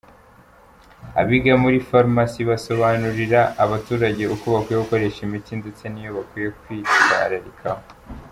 Abiga muri farumasi basobanurira abaturage uko bakwiye gukoresha imiti ndetse n’ibyo bakwiye kwitwararikaho.